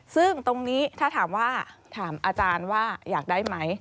ซึ่งตรงนี้ถ้าถามว่าถามอาจารย์ว่าอยากได้ไหม